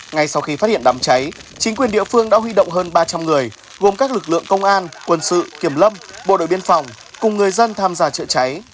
ngay sau khi phát hiện đám cháy chính quyền địa phương đã huy động hơn ba trăm linh người gồm các lực lượng công an quân sự kiểm lâm bộ đội biên phòng cùng người dân tham gia chữa cháy